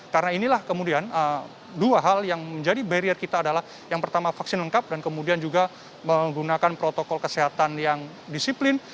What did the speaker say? karena inilah kemudian dua hal yang menjadi barrier kita adalah yang pertama vaksin lengkap dan kemudian juga menggunakan protokol kesehatan yang disiplin